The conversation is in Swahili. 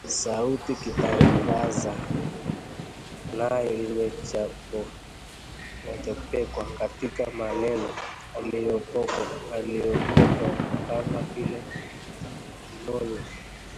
Sauti kitambaza "l" nayo imechopekwa katika maneno yaliyokopwa kama vile ‘kilolo’